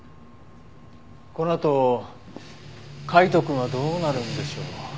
このあと海斗くんはどうなるんでしょう？